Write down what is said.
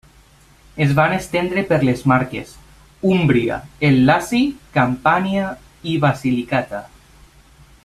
Es van estendre per les Marques, Úmbria, el Laci, Campània i Basilicata.